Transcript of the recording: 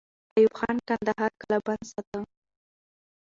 ایوب خان کندهار قلابند ساته.